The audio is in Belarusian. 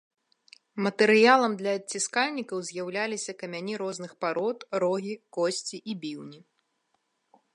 Матэрыялам для адціскальнікаў з'яўляліся камяні розных парод, рогі, косці і біўні.